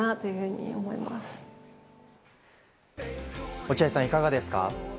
落合さん、いかがですか。